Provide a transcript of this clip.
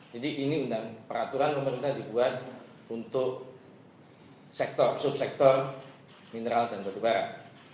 jadi ini peraturan yang di buat untuk sektor subsektor mineral dan berkebarat